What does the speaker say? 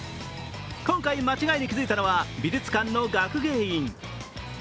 今回、間違いに気付いたのは美術館の学芸員。